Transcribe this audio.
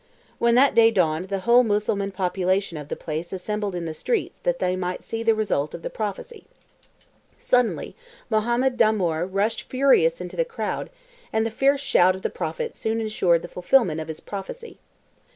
When that day dawned the whole Mussulman population of the place assembled in the streets that they might see the result of the prophecy. Suddenly Mohammed Damoor rushed furious into the crowd, and the fierce shout of the prophet soon ensured the fulfilment of his prophecy.